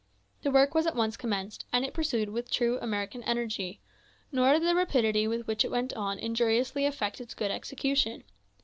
The work was at once commenced, and pursued with true American energy; nor did the rapidity with which it went on injuriously affect its good execution.